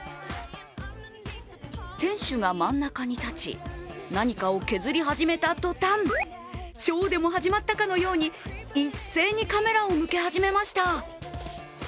店主が真ん中に立ち何かを削り始めた途端ショーでも始まったかのように一斉にカメラを向け始めました。